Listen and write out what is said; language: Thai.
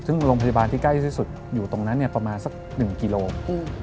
ซึ่งโรงพยาบาลที่ใกล้ที่สุดอยู่ตรงนั้นประมาณสัก๑กิโลกรัม